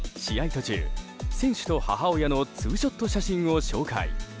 途中選手と母親のツーショット写真を紹介。